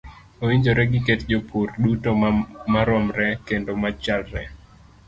Owinjore giket jopur duto maromre kendo machalre.